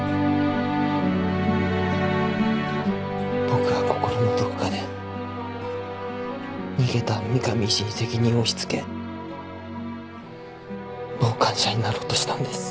僕は心のどこかで逃げた三上医師に責任を押しつけ傍観者になろうとしたんです。